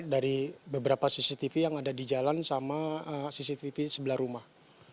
dari beberapa cctv yang ada di jalan sama cctv sebelah rumah